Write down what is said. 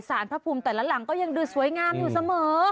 พระภูมิแต่ละหลังก็ยังดูสวยงามอยู่เสมอ